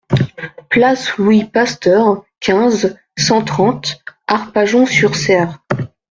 Place Louis Pasteur, quinze, cent trente Arpajon-sur-Cère